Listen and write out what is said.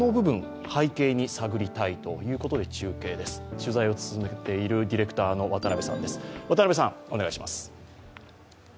取材を進めているディレクターの渡部さんです。